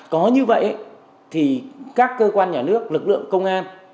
có như vậy thì các cơ quan nhà nước lực lượng công an